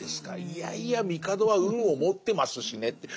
いやいや帝は運を持ってますしねって